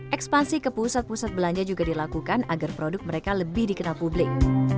ekspansi ke pusat pusat belanja juga dilakukan agar produk mereka lebih dikenal publik